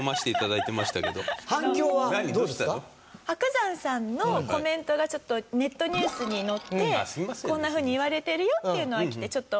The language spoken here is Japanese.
伯山さんのコメントがネットニュースに載ってこんなふうに言われてるよっていうのは来てちょっと。